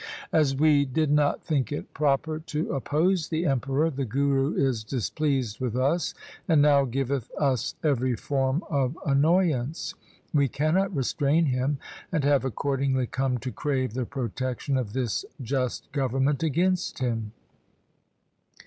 As we did not think it proper to oppose the Emperor, the Guru is displeased with us, and now giveth us every form of annoyance. We cannot restrain him, and have accordingly come to crave the protection of this just government against him.